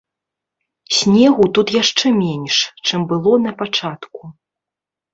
Снегу тут яшчэ менш, чым было напачатку.